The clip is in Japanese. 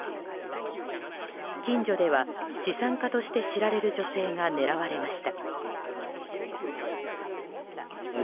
近所では資産家として知られる女性が狙われました。